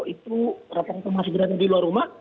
itu rata rata masih berada di luar rumah